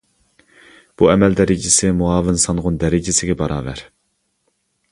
بۇ ئەمەل دەرىجىسى مۇئاۋىن سانغۇن دەرىجىسىگە باراۋەر.